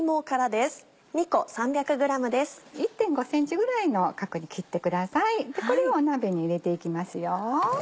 でこれを鍋に入れていきます。